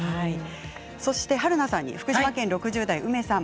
それからはるなさんに福島県６０代の方。